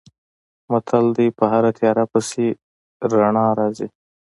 متل دی: په هره تیاره پسې رڼا راځي.